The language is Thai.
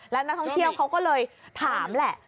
แล้วนักท่องเที่ยวเขาก็เลยถามแหละ